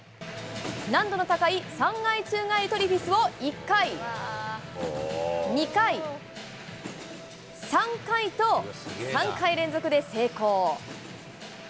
難度の高い３回宙返りトリフィスを１回、２回、３回と、３回連続で成功。